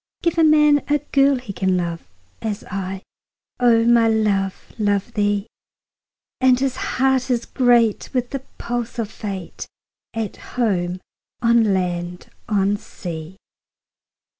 Give a man a girl he can love, As I, O my love, love thee; 10 And his heart is great with the pulse of Fate, At home, on land, on sea.